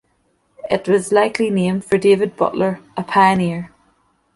It was likely named for David Butler, a pioneer.